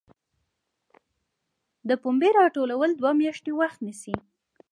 د پنبې راټولول دوه میاشتې وخت نیسي.